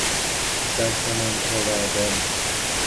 در کمند آوردن